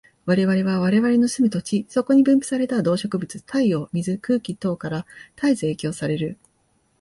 我々は我々の住む土地、そこに分布された動植物、太陽、水、空気等から絶えず影響される。